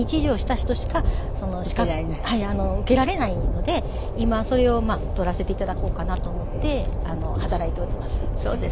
受けられないので今それを取らせて頂こうかなと思って働いております。